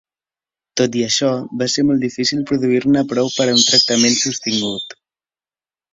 Tot i això, va ser molt difícil produir-ne prou per a un tractament sostingut.